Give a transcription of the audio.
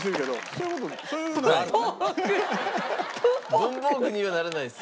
文房具にはならないです。